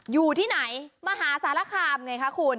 อยู่ที่ไหนมหาสารคามไงคะคุณ